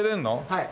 はい。